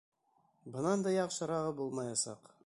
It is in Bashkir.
Бынан да яҡшырағы булмаясаҡ.